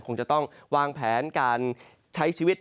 คงจะต้องวางแผนการใช้ชีวิต